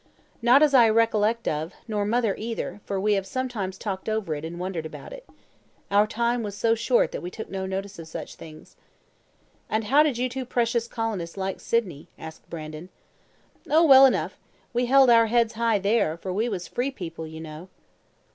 "Not as I recollect of, nor mother either, for we have sometimes talked over it and wondered about it. Our time was so short that we took no notice of such things." "And how did you two precious colonists like Sydney?" asked Brandon. "Oh, well enough. We held our heads high there, for we was free people, you know."